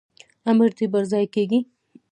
امر دي پرځای کیږي